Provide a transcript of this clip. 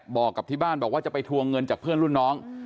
บอกกับที่บ้านบอกว่าจะไปทวงเงินจากเพื่อนรุ่นน้อง